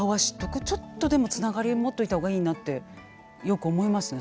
ちょっとでもつながりを持っといた方がいいなってよく思いますね